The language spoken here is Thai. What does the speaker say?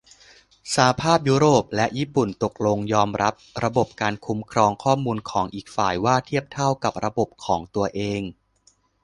สหภาพยุโรปและญี่ปุ่นตกลงยอมรับระบบการคุ้มครองข้อมูลของอีกฝ่ายว่า 'เทียบเท่า' กับระบบของตัวเอง